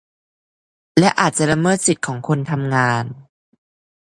และอาจละเมิดสิทธิของคนทำงาน